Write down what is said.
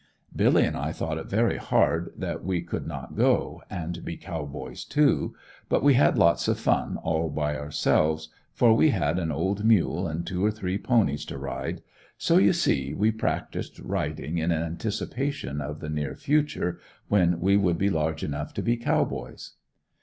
Billy and I thought it very hard that we could not go and be Cow Boys too; but we had lots of fun all by ourselves, for we had an old mule and two or three ponies to ride, so you see we practiced riding in anticipation of the near future, when we would be large enough to be Cow Boys.